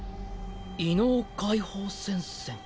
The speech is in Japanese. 異能解放戦線。